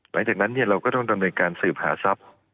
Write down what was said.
หลังจากนั้นเราก็ต้องดำเนินการสืบหาทรัพย์